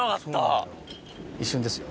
一瞬ですよ。